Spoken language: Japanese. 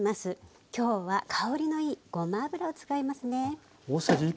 今日は香りのいいごま油を使いますね。